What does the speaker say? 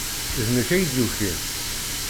D nekk ay d-yukin.